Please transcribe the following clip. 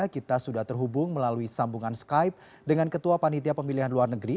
kita sudah terhubung melalui sambungan skype dengan ketua panitia pemilihan luar negeri